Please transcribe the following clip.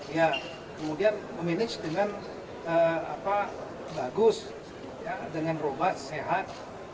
ya kemudian memanage dengan bagus dengan obat sehat